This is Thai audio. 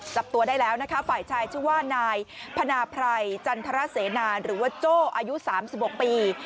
จับตัวได้แล้วนะคะฝ่ายชายชื่อว่านายพนาไพรจันทรเสนาหรือว่าโจ้อายุ๓๖ปี